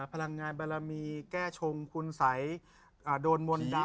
พลังงานบารมีแก้ชงคุณสัยโดนมนต์ดำ